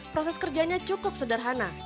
proses kerjanya cukup sederhana